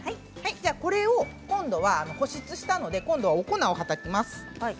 これを今度は保湿したのでお粉をはたきます。